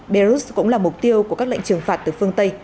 belarus cũng là mục tiêu của các lệnh trừng phạt từ phương tây